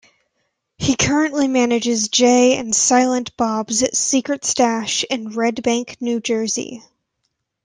He currently manages Jay and Silent Bob's Secret Stash in Red Bank, New Jersey.